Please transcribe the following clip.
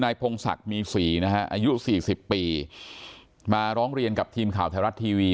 พงศักดิ์มีศรีนะฮะอายุสี่สิบปีมาร้องเรียนกับทีมข่าวไทยรัฐทีวี